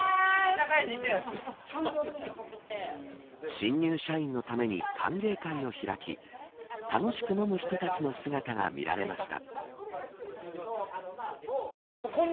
新入社員のために歓迎会を開き楽しく飲む人たちの姿が見られました。